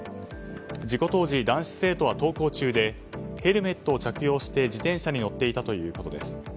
事故当時、男子生徒は登校中でヘルメットを着用して自転車に乗っていたということです。